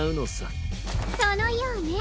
そのようね。